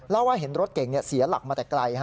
แล้วว่าเห็นรถเก่งเสียหลักมาแต่ไกล